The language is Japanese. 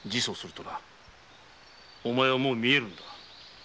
お前はもう見えるのだ。